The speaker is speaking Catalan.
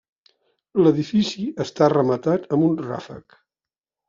L'edifici està rematat amb un ràfec.